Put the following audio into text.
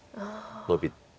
ノビて。